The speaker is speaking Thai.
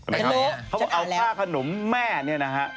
ไม่รู้เขาเอาข้าวขนมแม่นี่นะฮะ